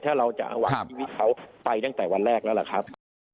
ถ้าเราจะหวังชีวิตเขาไปตั้งแต่วันแรกแล้วล่ะครับ